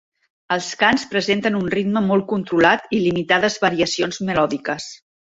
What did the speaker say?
Els cants presenten un ritme molt controlat i limitades variacions melòdiques.